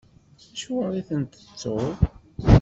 Acuɣeṛ i ten-tettuḍ?